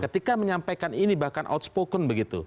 ketika menyampaikan ini bahkan outspoken begitu